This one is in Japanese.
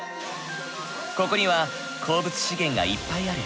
ここには鉱物資源がいっぱいある。